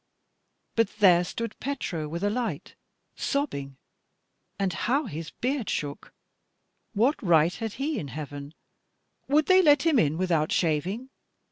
But there stood Petro with a light, sobbing, and how his beard shook! What right had he in heaven? Would they let him in without shaving?